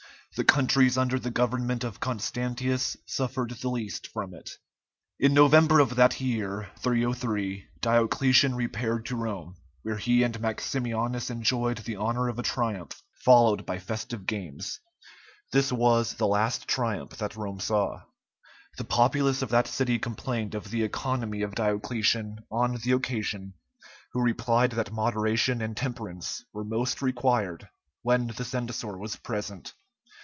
The countries under the government of Constantius suffered the least from it. In November of that year (303) Diocletian repaired to Rome, where he and Maximianus enjoyed the honor of a triumph, followed by festive games. This was the last triumph that Rome saw. The populace of that city complained of the economy of Diocletian on the occasion, who replied that moderation and temperance were most required when the censor was present.